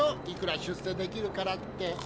いくら出世できるからって。